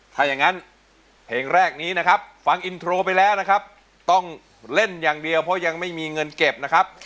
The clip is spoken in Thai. ถ้าอย่างนั้นเพลงแรกนี้นะครับฟังอินโทรไปแล้วนะครับต้องเล่นอย่างเดียวเพราะยังไม่มีเงินเก็บนะครับ